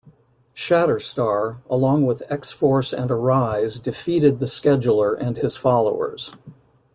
Shatterstar, along with X-Force and Arize defeated the Scheduler and his followers.